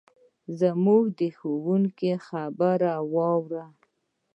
موږ د ښوونکي خبرې واورو.